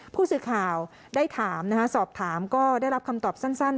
ผู้สื่อข่าวได้ถามนะฮะสอบถามก็ได้รับคำตอบสั้น